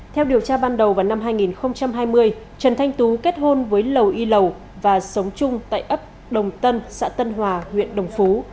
theo điều tra ban đầu vào năm hai nghìn hai mươi trần thanh tú kết hôn với lầu y lầu và sống chung tại ấp đồng tân xã tân hòa huyện đồng phú